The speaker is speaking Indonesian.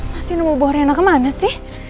masih nemu buah rena kemana sih